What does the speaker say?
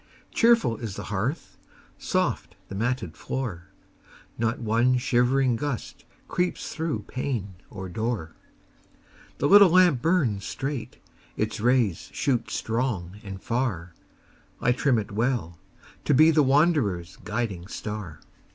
Cheerful is the hearth, soft the matted floor; Not one shivering gust creeps through pane or door; The little lamp burns straight, its rays shoot strong and far: I trim it well, to be the wanderer's guiding star.